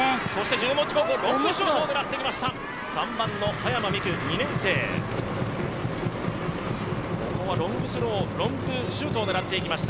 十文字高校、ロングシュートを狙ってきました。